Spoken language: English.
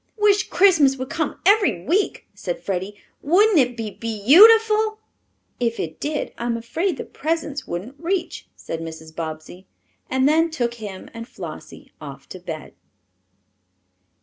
"Wish Christmas would come ev'ry week," said Freddie. "Wouldn't it be _beau_tiful?" "If it did I'm afraid the presents wouldn't reach," said Mrs. Bobbsey, and then took him and Flossie off to bed.